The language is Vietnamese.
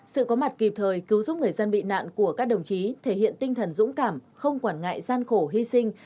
sự có mặt kịp thời cứu giúp người dân bị nạn của các đồng chí thể hiện tinh thần dũng cảm không quản ngại gian khổ hy sinh